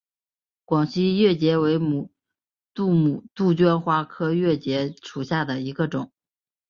广西越桔为杜鹃花科越桔属下的一个种。